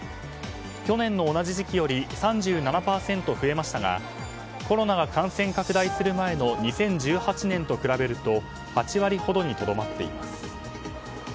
去年の同じ時期より３７％増えましたがコロナが感染拡大する前の２０１８年と比べると８割ほどにとどまっています。